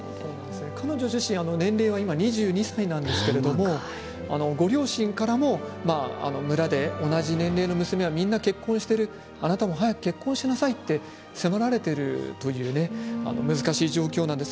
彼女自身２２歳なんですけどご両親からも村で同じ年齢の娘はみんな結婚しているあなたも早く結婚しなさいと責められているということなんです。